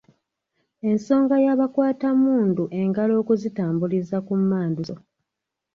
Ensonga ya bakwatammundu engalo okuzitambuliza ku mmanduso